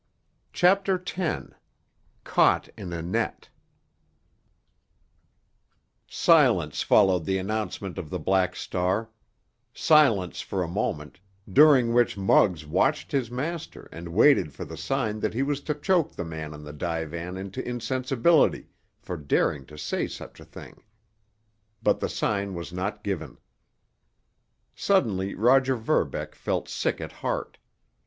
CHAPTER X—CAUGHT IN A NET Silence followed the announcement of the Black Star—silence for a moment, during which Muggs watched his master and waited for the sign that he was to choke the man on the divan into insensibility for daring to say such a thing. But the sign was not given. Suddenly Roger Verbeck felt sick at heart.